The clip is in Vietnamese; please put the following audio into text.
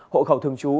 hộ khẩu thường trú